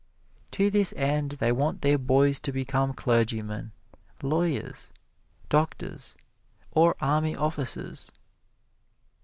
To this end they want their boys to become clergymen, lawyers, doctors or army officers.